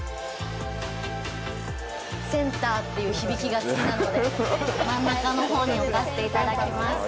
センターっていう響きが好きなので真ん中のほうに置かせていただきます。